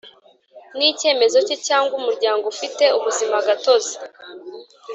Ni icyemezo cye cyangwa umuryango ufite ubuzimagatozi